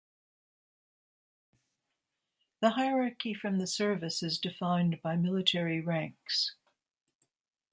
The hierarchy from the service is defined by military ranks.